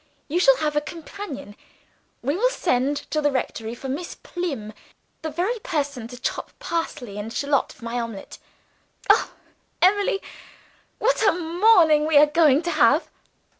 You shall have a companion; we will send to the rectory for Miss Plym the very person to chop parsley and shallot for my omelet. Oh, Emily, what a morning we are going to have!"